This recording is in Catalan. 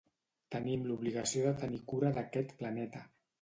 Tenim l'obligació de tenir cura d'aquest planeta.